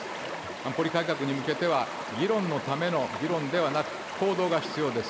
安保理改革に向けては、議論のための議論ではなく、行動が必要です。